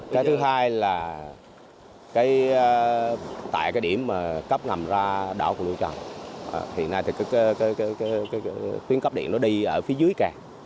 cái thứ hai là tại cái điểm cắp nằm ra đảo phù lao tràm hiện nay tuyến cắp điện nó đi ở phía dưới kè